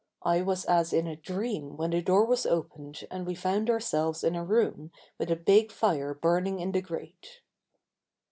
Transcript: I was as in a dream when the door was opened and we found ourselves in a room with a big fire burning in the grate.